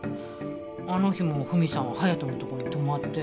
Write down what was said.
あの日も文さんは隼人のところに泊まって。